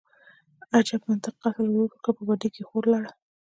_اجب منطق، قتل ورور وکړ، په بدۍ کې يې خور لاړه.